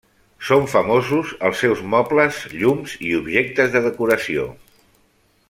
Són famosos els seus mobles, llums i objectes de decoració.